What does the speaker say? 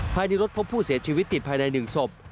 ภายในรถพบผู้เสียชีวิตติดภายใน๑ศพ